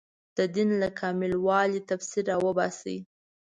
د دین له کامل والي تفسیر راوباسي